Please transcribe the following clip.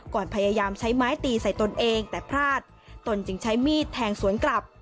ก่อนพยายามใช้ไม้ตีใส่ตนเองแต่พลาดตนจึงใช้มีดแทงสวนกลับ